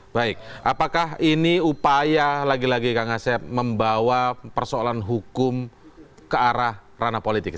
baik apakah ini upaya lagi lagi kang asep membawa persoalan hukum ke arah ranah politik